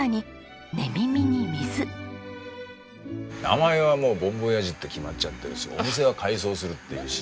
名前はもう「母ん母親父」って決まっちゃってるしお店は改装するって言うし。